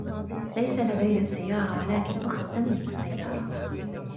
ليس لدي سيارة ، ولكن أختي تملك سيارة.